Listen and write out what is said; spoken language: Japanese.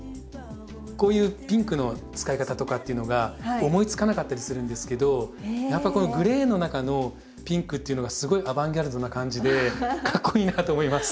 こういうピンクの使い方とかっていうのが思いつかなかったりするんですけどやっぱこのグレーの中のピンクっていうのがすごいアバンギャルドな感じでかっこいいなと思います。